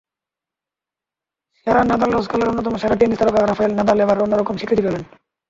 সেরা নাদালসর্বকালের অন্যতম সেরা টেনিস তারকা রাফায়েল নাদাল এবার অন্যরকম স্বীকৃতি পেলেন।